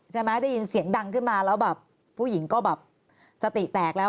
เตรียมเสียงดังขึ้นมาแล้วแบบผู้หญิงก็สติแตกแล้ว